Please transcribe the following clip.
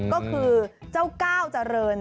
ก็คือเจ้าก้าวเจริญ